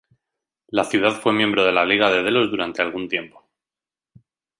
La ciudad fue miembro de la Liga de Delos durante algún tiempo.